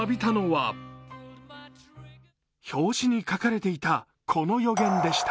表紙に書かれていたこの予言でした。